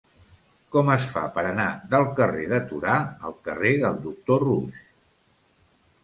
Com es fa per anar del carrer de Torà al carrer del Doctor Roux?